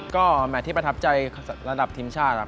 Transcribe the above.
ก็แมทที่ประทับใจระดับทีมชาติครับ